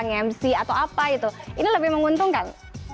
nge mc atau apa itu ini lebih menguntungkan